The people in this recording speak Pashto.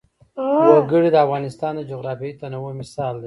وګړي د افغانستان د جغرافیوي تنوع مثال دی.